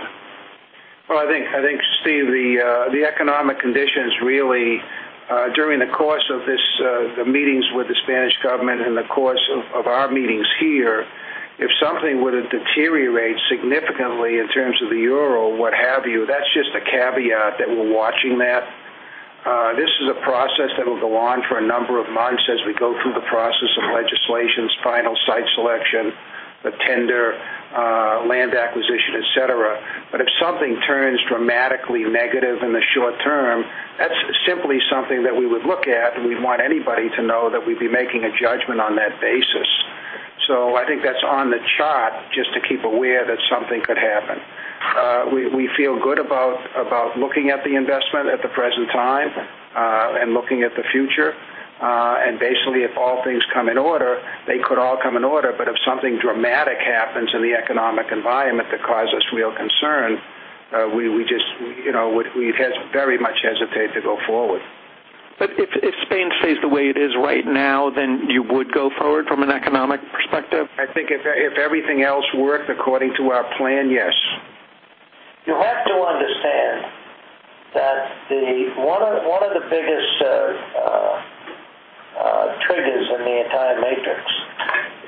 Well, I think, Steve, the economic conditions really, during the course of the meetings with the Spanish government and the course of our meetings here, if something were to deteriorate significantly in terms of the euro, what have you, that's just a caveat that we're watching that. This is a process that will go on for a number of months as we go through the process of legislations, final site selection, the tender, land acquisition, et cetera. If something turns dramatically negative in the short term, that's simply something that we would look at, and we'd want anybody to know that we'd be making a judgment on that basis. I think that's on the chart, just to keep aware that something could happen. We feel good about looking at the investment at the present time and looking at the future. Basically, if all things come in order, they could all come in order, but if something dramatic happens in the economic environment that cause us real concern, we'd very much hesitate to go forward. If Spain stays the way it is right now, then you would go forward from an economic perspective? I think if everything else worked according to our plan, yes. You have to understand that one of the biggest triggers in the entire matrix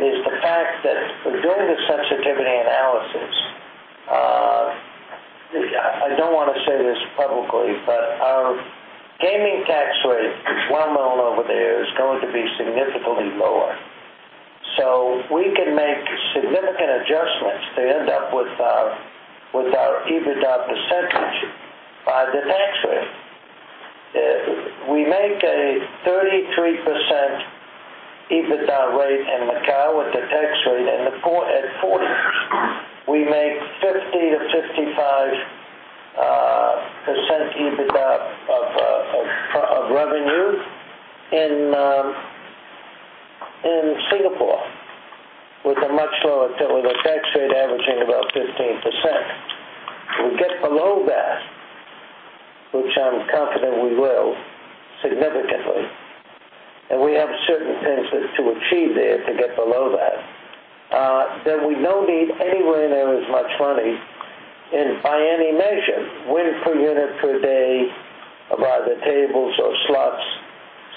is the fact that we're doing the sensitivity analysis. I don't want to say this publicly, but our gaming tax rate, which we're well known over there, is going to be significantly lower. We can make significant adjustments to end up with our EBITDA percentage by the tax rate. We make a 33% EBITDA rate in Macau with the tax rate at 40%. We make 50%-55% EBITDA of revenue in Singapore with a tax rate averaging about 15%. If we get below that, which I'm confident we will, significantly, and we have certain things to achieve there to get below that, then we don't need anywhere near as much money by any measure, win per unit per day of either tables or slots.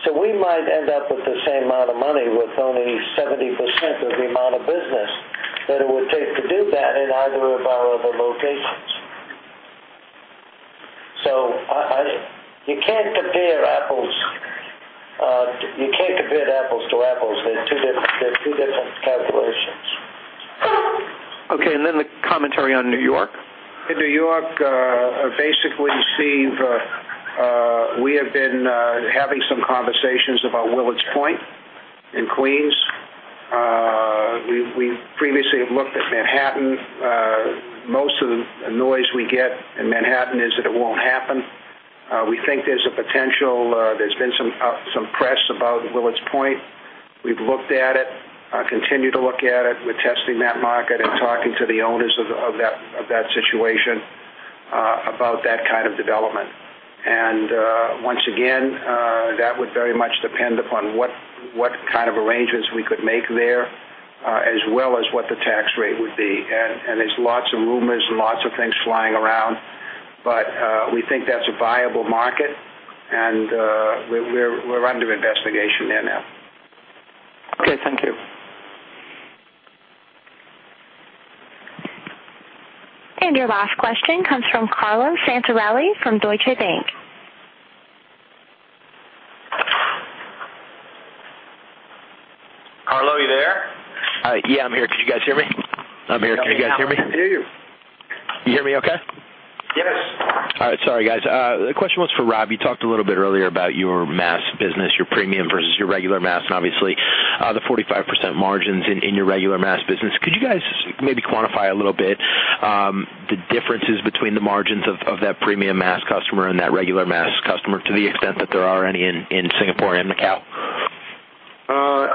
We might end up with the same amount of money with only 70% of the amount of business that it would take to do that in either of our other locations. You can't compare apples to apples. They're two different calculations. Okay, then the commentary on New York. In New York, basically, Steve, we have been having some conversations about Willets Point in Queens. We previously have looked at Manhattan. Most of the noise we get in Manhattan is that it won't happen. We think there's a potential. There's been some press about Willets Point. We've looked at it, continue to look at it. We're testing that market and talking to the owners of that situation About that kind of development. Once again, that would very much depend upon what kind of arrangements we could make there, as well as what the tax rate would be. There's lots of rumors and lots of things flying around, we think that's a viable market, and we're under investigation there now. Okay, thank you. Your last question comes from Carlo Santarelli from Deutsche Bank. Carlo, are you there? Yeah, I'm here. Can you guys hear me? We can hear you. You hear me okay? Yes. All right. Sorry, guys. The question was for Rob. You talked a little bit earlier about your mass business, your premium versus your regular mass, and obviously the 45% margins in your regular mass business. Could you guys maybe quantify a little bit, the differences between the margins of that premium mass customer and that regular mass customer to the extent that there are any in Singapore and Macau?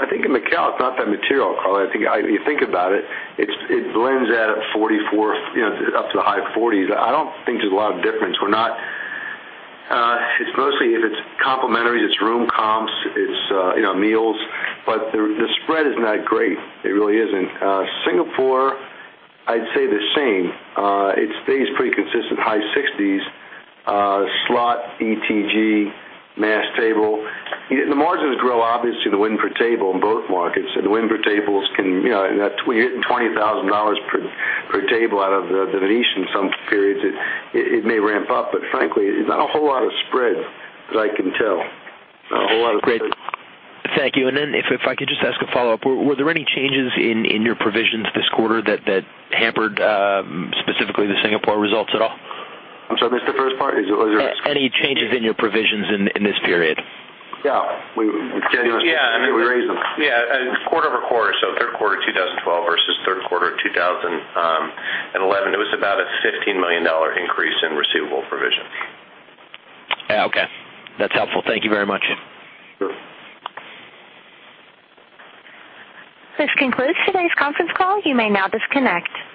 I think in Macau, it's not that material, Carlo. I think if you think about it blends out at 44%, up to the high 40s%. I don't think there's a lot of difference. It's mostly if it's complimentary, it's room comps, it's meals. The spread is not great. It really isn't. Singapore, I'd say the same. It stays pretty consistent, high 60s%. Slot, ETG, mass table. The margins grow obviously the win per table in both markets, and the win per tables we're hitting $20,000 per table out of The Venetian in some periods. It may ramp up, but frankly, not a whole lot of spread that I can tell. Not a whole lot of spread. Thank you. Then if I could just ask a follow-up. Were there any changes in your provisions this quarter that hampered specifically the Singapore results at all? I'm sorry, I missed the first part. Any changes in your provisions in this period? Yeah. We raised them. Yeah. Quarter-over-quarter, third quarter 2012 versus third quarter 2011, it was about a $15 million increase in receivable provisions. Yeah, okay. That's helpful. Thank you very much. Sure. This concludes today's conference call. You may now disconnect.